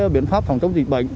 biện pháp phòng chống dịch bệnh